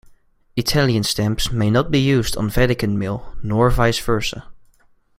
Italian stamps may not be used on Vatican mail nor vice versa.